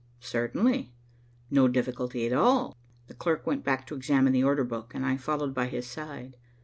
Certainly. No difficulty at all. The clerk went back to examine the order book, and I followed by his side.